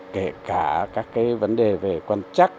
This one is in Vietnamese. kể cả các vấn đề về quan trắc